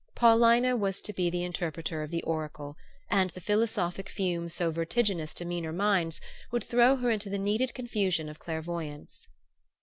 Paulina was to be the interpreter of the oracle, and the philosophic fumes so vertiginous to meaner minds would throw her into the needed condition of clairvoyance.